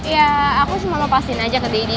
ya aku cuma mau pastiin aja ke daddy